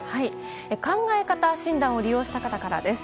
考え方診断を利用した方からです。